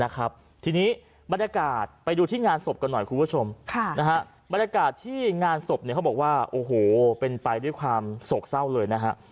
เขาบอกว่าโอ้โหเป็นไปด้วยความโศกเศร้าเลยนะฮะ